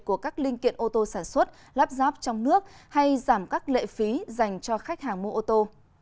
của các linh kiện ô tô sản xuất lắp ráp trong nước hay giảm các lệ phí dành cho khách hàng mua ô tô